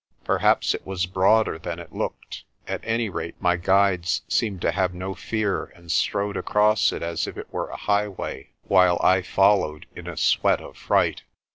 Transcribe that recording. Perhaps it was broader than it looked ; at any rate my guides seemed to have no fear and strode across it as if it were a highway, while I fol lowed in a sweat of fright.